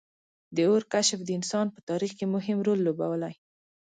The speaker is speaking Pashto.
• د اور کشف د انسان په تاریخ کې مهم رول لوبولی.